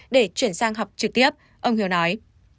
để chuyển sang học trực tiếp ông hiếu nói